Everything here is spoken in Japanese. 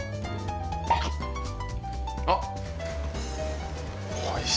あっ！